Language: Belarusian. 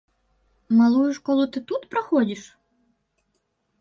Малую школу ты тут праходзіш?